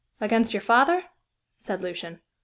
"Against your father?" said Lucian.